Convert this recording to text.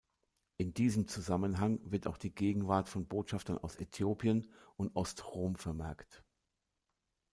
In diesem Zusammenhang wird auch die Gegenwart von Botschaftern aus Äthiopien und Ostrom vermerkt.